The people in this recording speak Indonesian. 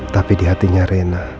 tapi di hatinya rena